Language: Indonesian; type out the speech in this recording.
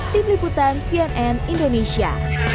tim liputan cnn indonesia